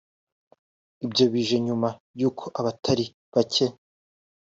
Ibyo bije nyuma y’uko abatari bacye